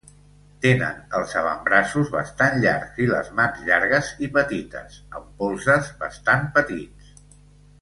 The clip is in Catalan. Tenen els avantbraços bastant llargs i les mans llargues i petites, amb polzes bastant petits.